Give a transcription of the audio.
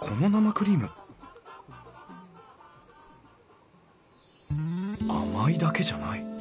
この生クリーム甘いだけじゃない。